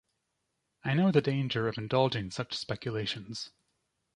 I know the danger of indulging such speculations.